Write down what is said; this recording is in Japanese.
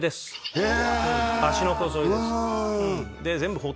へえ！